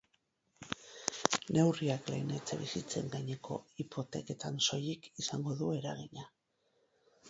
Neurriak lehen etxebizitzen gaineko hipoteketan soilik izango du eragina.